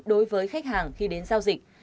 đối với khách hàng khi đến giao dịch